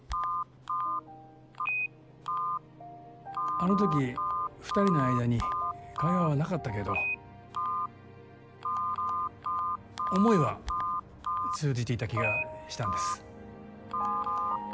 あのとき２人の間に会話はなかったけど思いは通じていた気がしたんです。